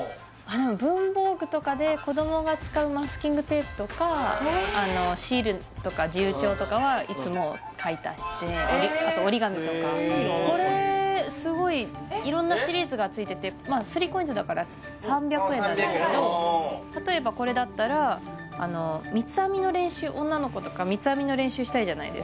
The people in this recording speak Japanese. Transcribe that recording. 文房具とかで子どもが使うマスキングテープとかシールとか自由帳とかはいつも買い足してあと折り紙とかこれすごい色んなシリーズがついててだから３００円なんですけど例えばこれだったら三つ編みの練習女の子とか三つ編みの練習したいじゃないですか